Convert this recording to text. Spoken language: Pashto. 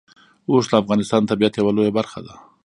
اوښ د افغانستان د طبیعت یوه لویه برخه ده.